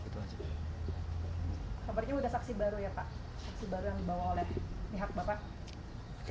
kabarnya sudah saksi baru ya pak saksi baru yang dibawa oleh pihak bapak